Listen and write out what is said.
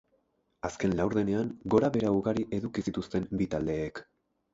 Azken laurdenean gora behera ugari eduki zituzten bi taldeek.